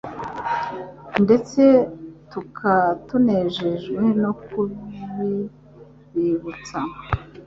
ndetse tuka tunejejwe no kubibibutsa,